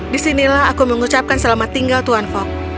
di sinilah aku mengucapkan selamat tinggal tuan fog